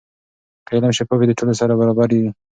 که علم شفاف وي، د ټولو سره برابریږي.